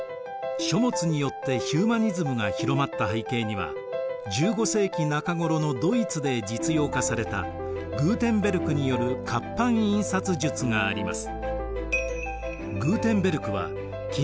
書物によってヒューマニズムが広まった背景には１５世紀中頃のドイツで実用化されたグーテンベルクによる活版印刷術があります。